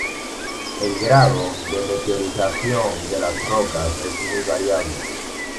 El grado de meteorización de las rocas es muy variable.